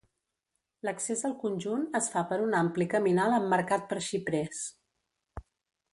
L’accés al conjunt es fa per un ampli caminal emmarcat per xiprers.